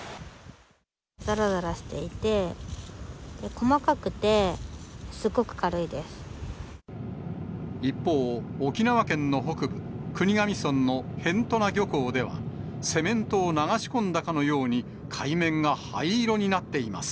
ざらざらしていて、細かくて、一方、沖縄県の北部、国頭村の辺士名漁港では、セメントを流し込んだかのように、海面が灰色になっています。